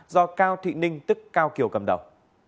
do cao thị ninh tức cao kiều cầm đầu